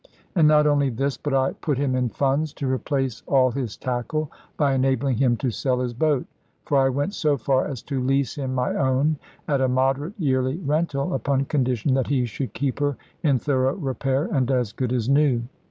And not only this, but I put him in funds to replace all his tackle, by enabling him to sell his boat. For I went so far as to lease him my own, at a moderate yearly rental, upon condition that he should keep her in thorough repair and as good as new.